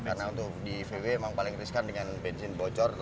karena untuk di vw memang paling riskan dengan bensin bocor